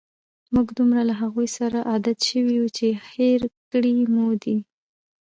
موږ دومره له هغوی سره عادی شوي یو، چې هېر کړي مو دي.